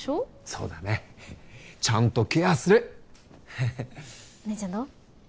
そうだねちゃんとケアするお姉ちゃんどう？